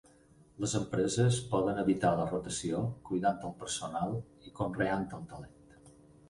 Les empreses poden evitar la rotació cuidant el personal i conreant el talent.